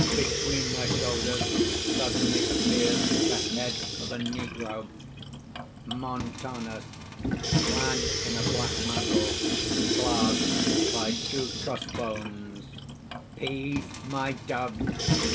Between their shoulders suddenly appears the head of a negro._) MONTANUS (clad in a black mantle, clasped by two cross bones): "Peace, my doves!